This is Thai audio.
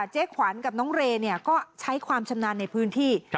ขวัญกับน้องเรย์ก็ใช้ความชำนาญในพื้นที่